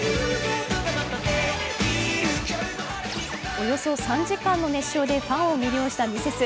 およそ３時間の熱唱でファンを魅了したミセス。